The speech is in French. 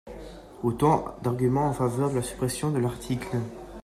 Autant d’arguments en faveur de la suppression de l’article.